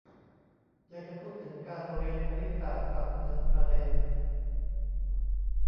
อยากจะพูดถึงการเรียนคณิตศาสตร์สักหนึ่งประเด็น